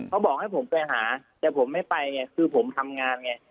เขาบอกให้ผมไปหาแต่ผมไม่ไปไงคือผมทำงานไง